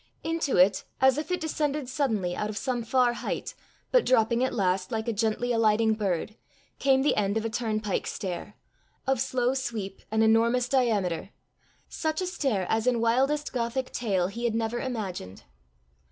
Into it, as if it descended suddenly out of some far height, but dropping at last like a gently alighting bird, came the end of a turnpike stair, of slow sweep and enormous diameter such a stair as in wildest gothic tale he had never imagined.